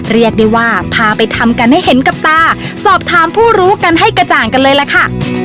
เรียกได้ว่าพาไปทำกันให้เห็นกับตาสอบถามผู้รู้กันให้กระจ่างกันเลยล่ะค่ะ